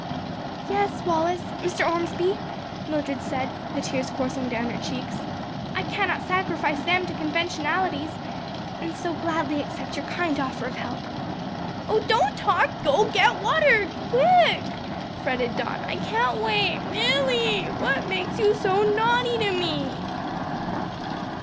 "Yes, Wallace, Mr. Ormsby," Mildred said, the tears coursing down her cheeks, "I cannot sacrifice them to conventionalities, and so gladly accept your kind offer of help." "Oh, don't talk! go get water, quick!" fretted Don, "I can't wait, Milly, what makes you so naughty to me?"